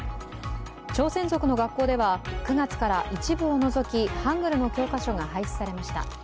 朝鮮族の学校では、９月から一部を除きハングルの教科書が廃止されました。